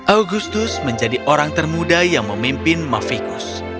agustus menjadi orang termuda yang memimpin mavikus